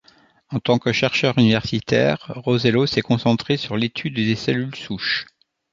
En tant que chercheur universitaire, Rosselló s'est concentré sur l'étude des cellules souches.